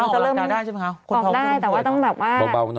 ออกได้แต่ว่าต้องแบบว่า